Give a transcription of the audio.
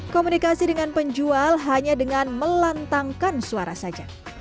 komunikasi dengan penjual hanya dengan melantangkan suara saja